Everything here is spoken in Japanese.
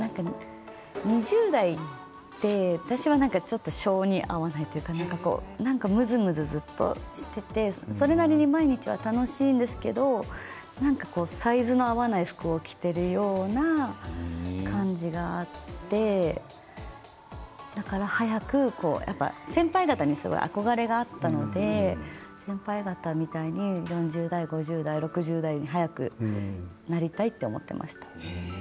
２０代って私はちょっと性に合わないというか、なんかむずむずずっとしていてそれなりに楽しいんですけれどサイズの合わない服を着ているような感じがあってだから早く、やっぱり先輩方にすごく憧れがあったので先輩方みたいに４０代、５０代、６０代に早くなりたいと思っていました。